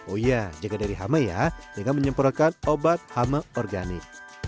oh iya jaga dari hama ya dengan menyempurnakan obat hama organik